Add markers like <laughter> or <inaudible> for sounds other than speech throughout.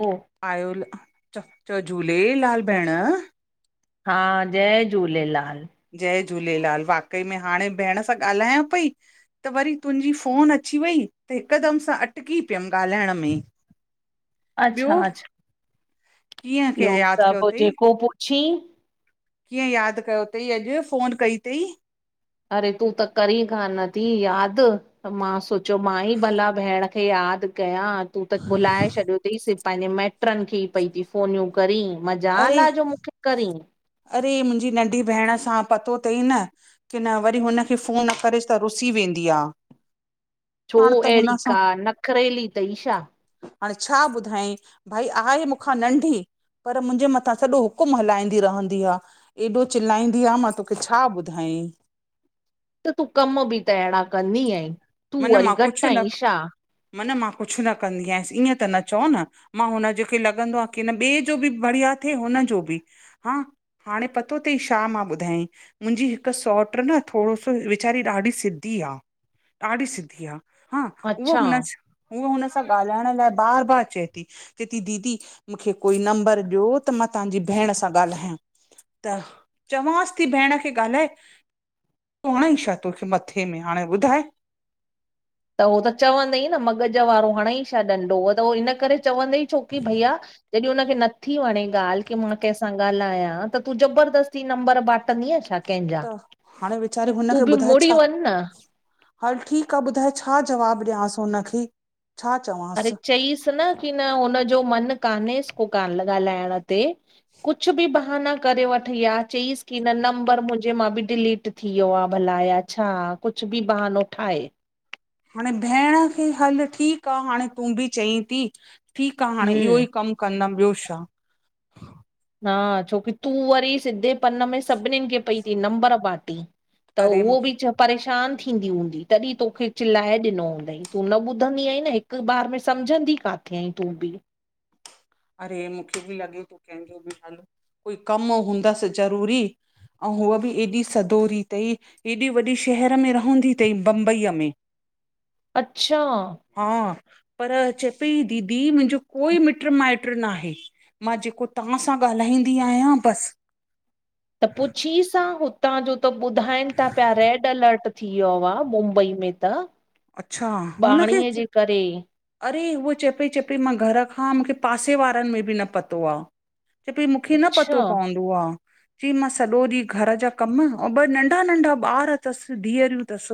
ह <unintelligible> आयो ला चओ झूलेलाल भेण। हा, जय झूलेलाल। जय झूलेलाल। वाकई, में हाणे भेण सां ॻाल्हायां पई। त वरी तुंहिंजी फ़ोन अची वई। त हिकदमि सां अटकी पियमि ॻाल्हाइण में। अच्छा। ॿियो अच्छा। कीअं ॿियो, कीअं यादि सभ कयो पोइ अथई जेको पुछीहीन। कीअं यादि कयो तई अॼु? फोन कई तई? अरे, तूं त करी कोन थी यादि। त मां सोचियो, मां ई भला भेण खे यादि कयां। तूं त भुलाए छॾियो थई। सिफ पंहिंजे माइट पुटरनि खे ई पई फोनियूं करी। मज़ा अरे ला जो मूंखे करीन? अरे, मुंहिंजी नंढी भेण सां, पतो तई न। की न वरी हुनखे फ़ोन न करेसि त रुसी वेंदी आहे। छो? हाणे त हुन अहिड़ी सां का नखरेली तई छा? हाणे छा ॿुधायई? भई आहे मूंखां नंढी। पर, मुंहिंजे मथां सॼो हुकुम हलाईंदी रहंदी आ। एॾो चिलाईंदी आहे। मां तोखे छा ॿुधायेह? त तूं कम बि त अहिड़ा कंदी ऐ। त तूं मन वरी मां घटि कुझु न अहि छा? मन, मां कुछु न कंदी आयसि। ईअं त न चओ न। मां हुनज खे लॻंदो आ, की हिन ॿिए जो बि बढ़िया थिए हुनजो बि। हां, हाणे पतो तई छा मां ॿुधायई? मुंहिंजी हिकु सौट न थोरो, सो वीचारी ॾाढी सिधी आ। ॾाढी सिधी आ हा, ऊह अच्छा हुन सां ॻाल्हाइण लाइ बार, बार चए थी। चवे थी, दीदी, मूंखे कोई नंबर ॾियो त मां तव्हांजी भेण सां ॻाल्हायां। त चवाससि थी, भेण खे ॻाल्हाए। हिकु हणे छा तोखे मथे में हाणे ॿुधाए? त उहो त चवंदई न, मग़ज़ वारो हाणे ई छा ॾंडो हुओ, त उहो इन करे। चवंदे ई छोकी भईया। जॾहिं हुनखे नथी वणे ॻाल्ह, की मां कंहिंसां ॻाल्हायां त तूं ज़बरदस्ती नंबर बाटंदीएं छा? कंहिंजा त हाणे वीचारे तूं हुनखे बि ॿुधाए मुड़ी छा? वञ न हल ठीक आ, ॿुधाए छा जवाबु ॾियांस हुनखे। छा चवां? अरे चईसि न की न हुन जो मन कान्हेस को कान ॻाल्हाइण ते कुझु बि बा मना करे वठ या चईसि की न नंबर मुंजे मां बि डिलीट थी वियो आ भला या छा? कुझु बि बहानो ठाहे। हाणे भेण खे हल ठीकु आ हाणे तूं बि चई ती ठीकु आ हाणे हम्म इहो ई कम कनम ॿियो छा? हा छोकी तूं वरी सिधेपन में सभिनिनि खे पई नंबर बांटी। त अरे उहो मूंखे बि च परेशान थींदी हूंदी, तॾहिं तोखे चिलाए ॾिनो हूंदईं, तूं न ॿुधंदी आहीं न हिकु हिकु ॿार में सम्झंदी काथे आईं तूं बि? अरे, मूंखे बि लॻे त कंहिंजो बि हल कोई कमु हूंदसि ज़रूरी आऊं हूअ बि एॾी सदोरी तई एॾे वॾे शहर में रहंदी तई बंबईअ में अच्छा। हा, पर चए पई, दीदी मुंहिंजो कोई मिट्र माइटु ट्र न आहे, मां जेको तव्हां सां ॻाल्हाईंदी आयां, बस त पुछीसा आं हुतां जो त ॿुधाइनि था पिया रेड अलर्ट थी वियो आहे मुंबई में त पाणीअ जे करे। अड़े, उअ चए पई, चए पई मां घर खां मूंखे पासे वारनि में बि न पतो आहे। चए पी, मूंखे न पतो अच्छा पोंदो आ। चईं, मां सॼो ॾींहु घर जा कमु अऊं ॿ नंढा नंढा ॿार तस, धीअरियूं तस।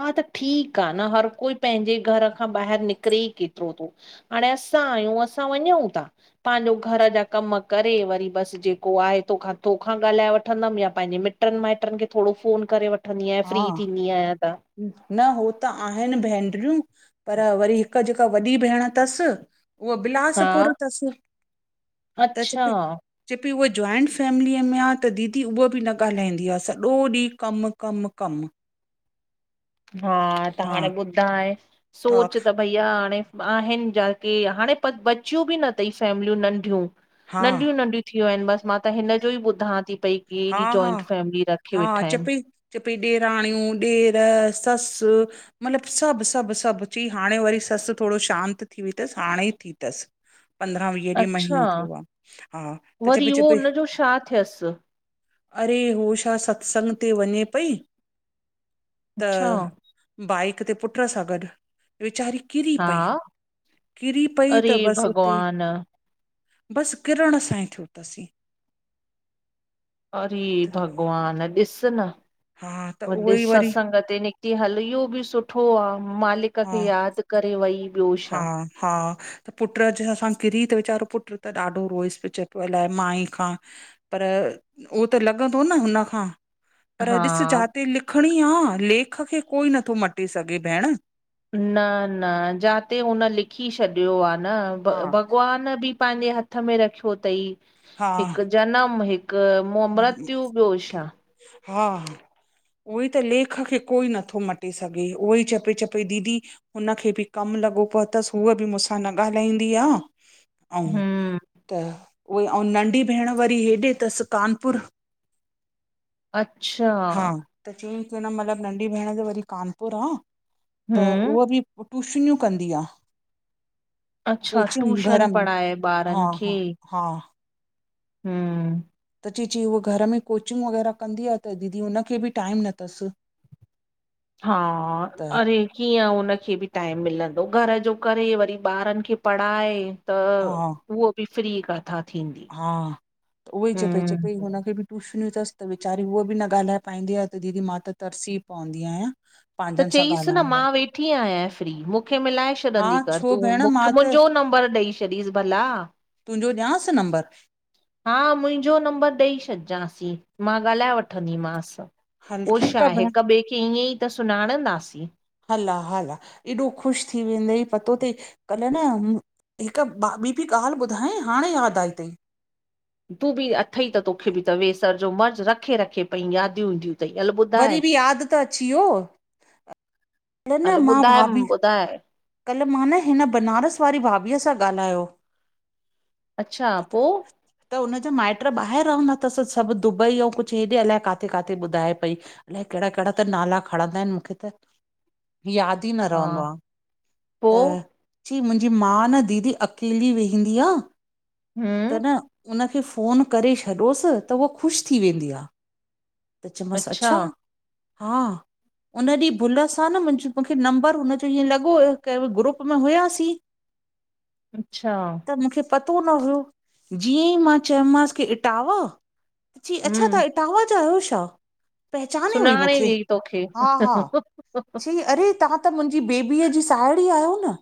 हा, त ठीकु आ न, हर कोई पंहिंजे घर खां ॿाहिर निकिरे ई केतिरो थो। हाणे असां आयूं, असां वञऊं था। पांजो घर जा कमु करे, वरी बसि जेको आहे तोख तोखा ॻाल्हाए वठंदमि या पंहिंजे मिट ट्रनि माइटनि खे थोरो फ़ोन करे वठंदी आहियां फ्री हा थींदी आहियां त। न हो त आहेन भेंनरियूं। पर वरी हिकु जेका वॾी भेण तस उहो हा बिलासपुर तस, त चे अच्छा पी चए पई, उहा जॉइंट फैमिलीअ में आहे त दीदी, उहा बि न ॻाल्हाईंदी आ, सॼो ॾींह कमु कमु कमु। हा, त हाणे ॿुधाए, हा सोच त भइया, हाणे आहिनि जाके हाणे प बचियूं बि न तई, फैमिलियूं नंढियूं। हा नंढियूं नंढियूं थियूं आहिनि बस मां त हिनजो ई ॿुधां थी पई। की हा एॾी जॉइंट फैमिली रखीये वेठा आहिन। च पई, ॾेराणियूं ॾेर ससु मतिलबु सभु सभु सभु चई, हाणे वरी ससु थोरो शांति थी वई तस, हाणे ई थी तस। पंद्रहां वीह ॾींहं महीनो अच्छा थियो आ हा, त चे पई चे पई। पो शा थियस? अरे हो छा सत्संग ते वञे पई अच्छा बाइक ते पुट्र सां गॾु वेचारी किरी हा पई किरी पई अरे त बसि उते भॻवान बसि किरण सां ई थियो अथसीं। अरे त भॻवान ॾिस न हा त उ उहो ई वरी ॾिसस अ ते निकिती हल ईयो बि सुठो आ। मालिक हा खे यादि करे वई। ॿियो हा छा हा। पुटॼ असां किरी त वीचारो पुट त ॾाढो रोइस पियो चए पियो अलाए माई खां। पर उहो त लॻंदो न हुनखां। पर हा ॾिस जाते लिखणी आ लेख खे। कोई नथो मटे सघे भेण। न, न, जाते हुन लिखी छॾियो आ न भ हा भॻवान बि। पंहिंजे हथ में रखियो तई हा हिकु जनम हिक। त मुम्बतियु ॿियो छाां। हा। उहोई त लेख खे कोई नथो मटे सघे उहो ई चपे चपे दीदी। हुनखे बि कमु लॻो पो थसि उहा बि मूंसां न ॻाल्हाईंदी आ। ऐं हम्म त उहे ऐं नंढी भेण वरी हेॾे तसि कानपुर। अच्छा। हा त चयईं की न मतलब नंढी भेण त वरी कानपुर आ त हम्म उहो बि। टूशनियूं कंदी आहे अच्छा कोचिंग घर ट्यूशन में पढ़ाए हा ॿारनि हा। हा। हम। त चई चई उहा घर में कोचिंग वग़ैरह कंदी आ। त दीदी हुनखे बि टाइम न थसि। हा अरे। कीअं, उनखे बि टाइम मिलंदो घर जो करे वरी ॿारनि खे पढ़ाए। त हा उहो बि फ्री कथा थींदी। हा, त उहोई च पई चपेई हम्म हुनखे बि। टूशनियूं थसि त वेचारी उहो बि न ॻाल्हाए पाईंदी आ त दीदी मां तरसी पवंदी आहियां। त पंहिंजनि सां चईसि न ॻाल्हाइण लाइ मां वेठ। वठी आय फ्री मूंखे मिलाए हा छॾंदी कर। छो तूं भेण मां मुखे त मुंहिंजो नंबर ॾई छॾ। चॾीस भला। तुंहिंजो ॾियांसि नंबर। हा, मुंहिंजो नंबर ॾेई छॾिजांसी मां ॻाल्हाए वठंदीमसि। हल पोइ ठीकु छा आहे भेण हिक ॿिए खे ईअं त सुञाणंदासीं। हला, हला एॾो ख़ुशि थी वेंदई। पतो तई कल्ह न। हिकु ॿि बी ॻाल्हि ॿुधाय हाणे यादि आई तईं। तूं बि अथई त तोखे बि त वेसर जो मर्ज़ु रखे रखे पई यादियूं ईंदियूं। अथई हल वरी ॿुधाए बि यादि त अची वियो। कल्ह न हलो मां ॿुधाए भाभी ॿुधाए। कल्ह मां न हिन बनारस वारी भाभीअ सां ॻाल्हायो। अच्छा पो? <inaudible> त हुनजा माइट ॿाहिरि रहदा तसि सभु दुबई अऊ कुछु हेॾे अलाए काथे काथे ॿुधाए पई। अलाए कहिड़ा कहिड़ा त नाला खणंदा आहिनि मूंखे त। यादि ई न रहंदो आ। पोइ। चई मुंहिंजी माउ न दीदी अकेली वेहंदी आ। त हम्म, न उन खे फोन करे छॾोसि। त उह ख़ुशि थी वेंदी आ। त चमसि अच्छा। हा। हुन ॾींं भुल सां न मुंहिंज मूंखे। नम्बर हुनजो ईएं ल फोन कयो ग्रुप में हुयासी। अच्छा। त मूंखे पतो न हुयो जीअं ई मां चयोमांस की इटाव जी अच्छा तां हम्म। इटांवा जा आहयो छा? पहचाने वई सुञाणे मूंखे हुई तोखे हा हा चैं अरे तव्हां त मुंहिंजी बेबी अ जी साहेड़ी आहयो न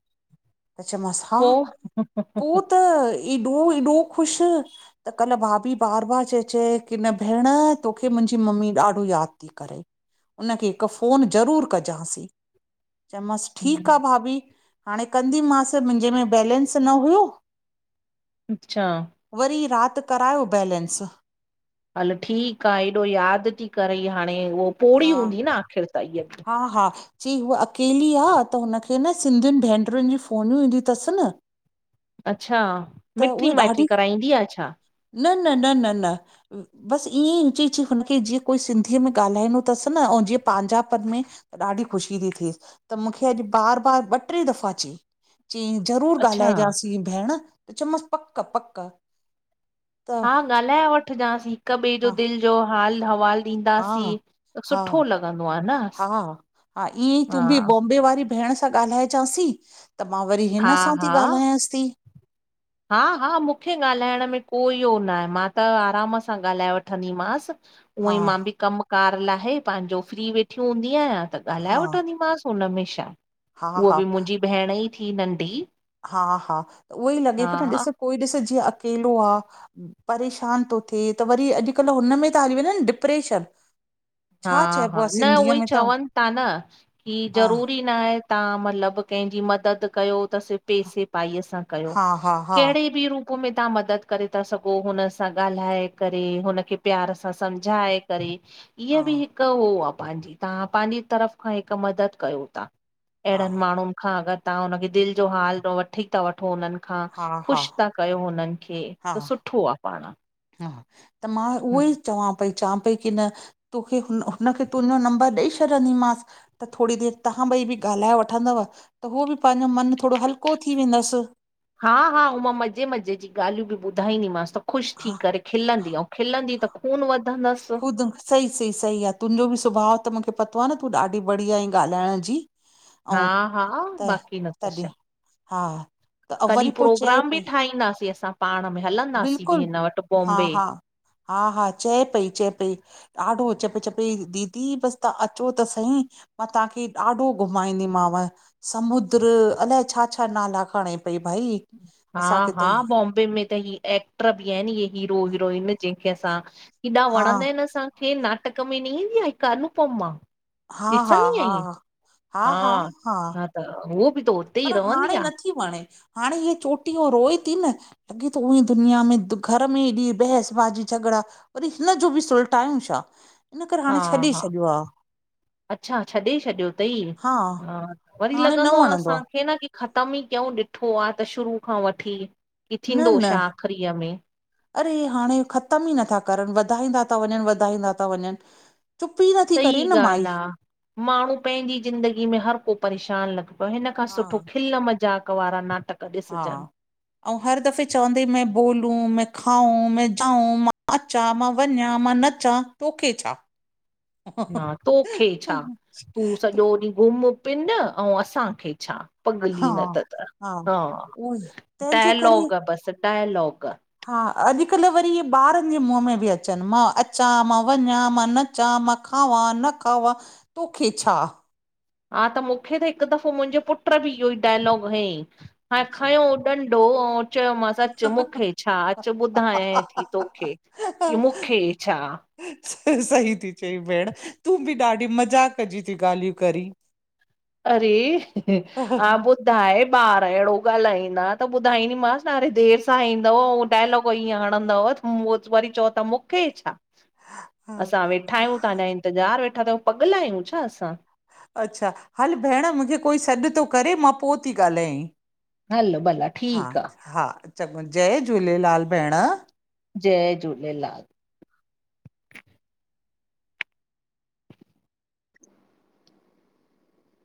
चयो मां स हा पो? पो त एॾो एॾो ख़ुश त कल्ह भाभी बार बार चए चए की न भेण तोखे मुंहिंजी मम्मी ॾाढो याद करे उन खे हिक फोन ज़रूर कजांसी चयो मांस ठीक आ हम्म। भाभी हाणे कंदी मांस मुंहिंजे में बैलेंस न हुयो। अच्छा वरी रात करायो बैलेंस हल ठीक आ एॾो याद ती करे हांणे उह पोड़ी हूंदी न आख़िर त ईअ बि हा-हा जी हू अकेली आ त हुनखे न सिंधिन भैनरुन जी फोनियूं ईंदियूं त स न अच्छा त मिट्री उहे माइट्री ॾाढियूं कराईंदी आ छा? न न न न न बसि ईअं ई चईं चइ हुनखे जीअं कोई सिंधीअ में ॻाल्हाइदो तस न अऊं जीअं पांजा मन में ॾाढी ख़ुशी ती थे त मूंखे अॼु बार बार ॿ ट्रै दफ़ा चईं। ‌ चंइ ज़रूर अच्छा, ॻाल्हाएजासीं भेंण चयोमांस पक -पक त हा ॻाल्हाए वठजांस हिक ॿे जो हा दिल जो हाल हवाल ॾींदासीं हा त हा सुठो लॻंदो आ न। हा हा ईअं ई तूं बी हा, बॉम्बे वारी भेण सां ॻाल्हाइजांसीं त मां वरी हा, हिन सां ती हा। ॻाल्हायांस ती। हा हा मूंखे ॻाल्हाइण में कोई हो नाहे मां त आराम सां ॻाल्हाए वठंदीमांस। हा उई मां बि कमकार लाहे पंहिंजो फ्री वेठी हूंदी आहियां त ॻाल्हाए हा वठंदीमांस। हुनमें शा? हा हा हुअई बी मुंहिंजी भेण ई थी नंढी। हा हा उहो ई लॻे हा पयो न ॾिसो कोई ॾिसो जीअं अकेलो आ परेशान तो थे त वरी अॼुकल्ह हुनमें त हली वनन डिप्रेशन हा छा चइबो हा आहे न सिंधीअ उहई में त चवन था न की हा ज़रूरी न तां मतलब केंहजी मदद कयो त सिर्फ़ पैसे पाईअ सां कयो हा हा हा केहड़े बी रूप पो में तव्हां मदद करे था सघो हुन सां ॻाल्हाए करे हुनखे प्यार सां समझाए करे। हा ईंय बि हिक हो आ पांहिजी तव्हां पांजी तरफ़ खां हिक मदद कयो था। एहड़न हा माण्डून खां अगर तव्हां हुनखे दिल जो हाल वठी था वठो हुनन खां हा हा ख़ुश ता कयो हुनन खे हा त सुठो आ पांण हा त मां उहो ई चवां पई चां पई की न तोखे हुन हुनखे तुंहिंजो नंबर ॾई छॾंदीमांस। त थोड़ी देर तव्हां ॿई बी ॻाल्हाए वठंदव त हो बि पांजो मन थोड़ो हलको थी वेंदस हा हा मां मज़े मज़े जी ॻाल्हियूं बि ॿुधाईंदीमांस। ख़ु़श थी हा करे खिलंदी अऊं खिलंदी त खून वधंदस सही सही सही आ तुंहिंजो बि स्वभाव त मूंखे पतो आ न तूं ॾाढी बढ़िया आईं ॻाल्हाइण जी‌ हा हा बाक़ी न त तॾहिं शा। हा त अ वरी कॾहिं पोइ चए प्रोग्राम बि पई ठाहींदासीं असां पाण में हलंदासीं बी बिल्कुलु हिन वट हा बॉम्बे। हा हा हा चए पई, चए पई। ॾाढो चेपई चेपई दीदी बसि तां अचो त सही। मां तांखे ॾाढो घुमाईंदीमांव। समुंद्र, अलाए छा छा नाला खडे पई भाई असांखे त बे में त ही एक्टर बि आहिनि इये हीरो हीरोइन जंहिंखे असां एॾा हा वणंदा आहिनि असां हे नाटक में न ईंदी आ हिकु अनुपमा हा हा ॾिसंदी हा आईं हा, हा त हो बि तो पर हाणे नथी वणे हाणे हे चोटी रोए ती न। लॻे तो उअ ई दुनिया में घरु में हेॾी भहस बाजी झगड़ा वरी हिनजो बि सुलटायूं छा, हिन करे हा हाणे छॾे हा छॾियो आ। अच्छा छॾे छॾियो तई, हा, वरी हाणे न लॻंदो आ वणंदो आहे असांखे न की ख़तम ई कीयंऊ ॾिठो आ त शुरू खां वठी, की न थींदो न छा आख़िरीअ में। अरे हाणे ख़तम ई नथा करनि, वधाईंदा ता वञनि वधाईंदा ता वञनि। चुप ई नथी सही करे न माई ॻाल्हि आ। माण्हू पंहिंजी ज़िंदगी में हर को परेशान लॻो पयो आ, हिन खां हा सुठो खिल मज़ाक वारा ना हा, अऊं हर दफ़े चवंदे, में बोलूं, में खाऊं, में जाऊं मां अ चा मां वञा, मां नचां तोखे छा? न तोखे छा, तूं सॼो ॾींहुं घुम पिन अऊं असांखे छा। हा पगली न त त, हा उहो ई तंहिंजे करे टायलॉग, बस टायलॉग। हा, अॼुकल्ह वरी इहे ॿारनि जे मुंहं में बि अचनि, मां अचा, मां वञा, मां न चा मां खावा, न खावा तोखे छा। हा त मूंखे त हिकु दफ़ो मुंहिंजो पुट बि इहो ई डायलॉग हयईं हा य अच्छा खयों डंडो अऊं चयोमासि अ अचु मूंखे छा अचु ॿुधाय थी तोखे, की मूंखे छा? स सही थी चई भेण, तूं बि ॾाढी मज़ाक जी ती ॻाल्हियूं करीं। अरे हा ॿुधाए ॿार अहिड़ो ॻालाईंदा त ॿुधाईंदीमांसि ने अरे देरि स सां ईंदव अऊं डायलॉग ईअं हणंदव त मु, वरी चओ ता मूंखे छा। <inaudible> असां वेठा आहियूं ताहांजा इंतज़ारु वेठा कयूं पगला आहियूं छा असां? अच्छा, हल भेण मूंखे कोई सॾु तो करे मां पो ती ॻाल्हाई। हलो भला हा ठीकु आहे हा चङो जय झूलेलाल भेण। जय झूलेलाल।